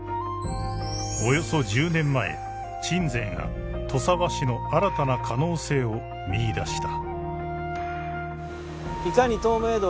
［およそ１０年前鎮西が土佐和紙の新たな可能性を見いだした］